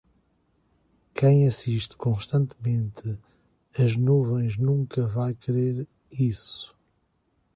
Quem assiste constantemente as nuvens nunca vai querer isso.